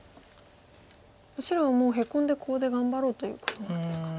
白はもうヘコんでコウで頑張ろうということなんですかね。